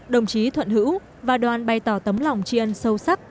đồng chí thuận hữu và đoàn bày tỏ tấm lòng tri ân sâu sắc